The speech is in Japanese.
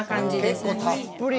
結構たっぷり！